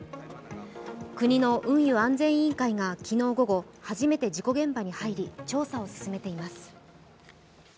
国の運輸安全委員会が昨日午後初めて事故現場に入り調査を進めています。